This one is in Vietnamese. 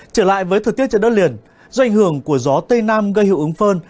trở lại với thời tiết trận đất liền do ảnh hưởng của gió tây nam gây hữu ứng phơn